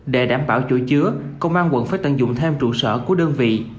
để đảm bảo chuỗi chứa công an quận phải tận dụng thêm trụ sở của đơn vị